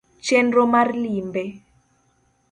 chenro mar limbe: